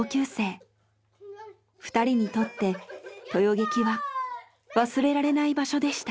２人にとって豊劇は忘れられない場所でした。